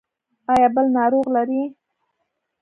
ایا بل ناروغ لرئ؟